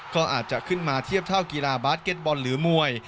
ก็อาจจะขึ้นมาเทียบเท่ากีฬาบาสเก็ตบอลหรือมวย